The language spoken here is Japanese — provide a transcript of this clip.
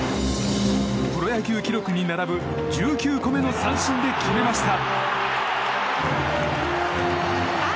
プロ野球記録に並ぶ１９個目の三振で決めました。